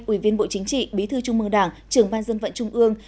ủy viên bộ chính trị bí thư trung mương đảng trưởng ban dân vận trung ương